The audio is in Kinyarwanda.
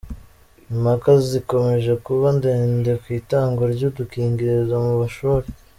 Impaka zikomeje kuba ndende ku itangwa ry’udukingirizo mu mashuri